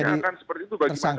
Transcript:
akan seperti itu bagi masyarakat